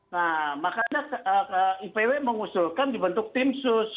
nah makanya ipw mengusulkan dibentuk tim sus